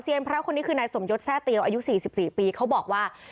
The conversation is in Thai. เซียนพระคราวคนนี้คือนายสมยศแท้เตียวอายุ๔๔ปีเขาบอกว่า